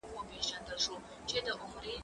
زه اجازه لرم چي سبا ته فکر وکړم؟